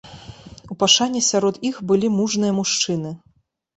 У пашане сярод іх былі мужныя мужчыны.